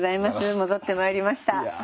戻ってまいりました。